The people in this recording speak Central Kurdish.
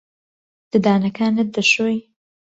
ددانەکانت دەشۆی؟